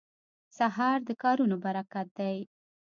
سهار د کارونو برکت دی.